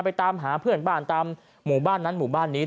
ตามหาเพื่อนบ้านตามหมู่บ้านนั้นหมู่บ้านนี้